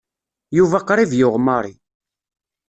Yuba qrib yuɣ Mary.